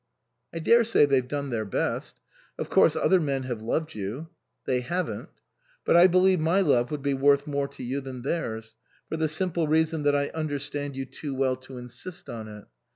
"I daresay they've done their best. Of course, other men have loved you "" They haven't "" But I believe my love would be worth more to you than theirs, for the simple reason that I understand you too well to insist on it.